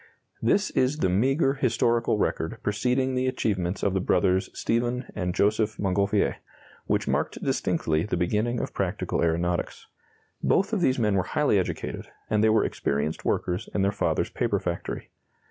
This is the meagre historical record preceding the achievements of the brothers Stephen and Joseph Montgolfier, which marked distinctly the beginning of practical aeronautics. Both of these men were highly educated, and they were experienced workers in their father's paper factory.